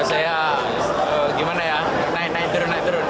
saya gimana ya naik naik turun naik turun